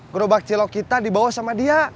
gerobak cilok kita dibawa sama dia